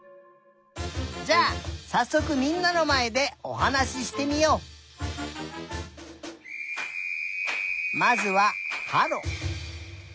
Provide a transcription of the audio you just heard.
じゃあさっそくみんなのまえでおはなししてみよう。まずははろ。